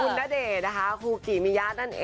คุณนเดหน้าคุกิมิยาท